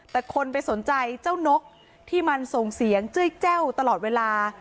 แต่คนไปสนใจเจ้านกที่มันส่งเสียงเจ้ยแจ้วตลอดเวลา